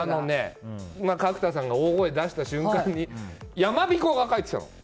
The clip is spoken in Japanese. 角田さんが大声を出した瞬間に山びこが返ってきたの。